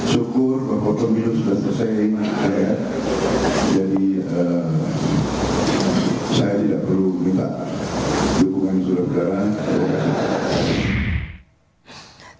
syukur bahwa pemilu sudah selesai jadi saya tidak perlu minta dukungan saudara